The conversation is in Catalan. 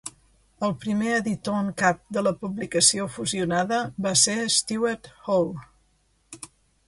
El primer editor en cap de la publicació fusionada va ser Stuart Hall.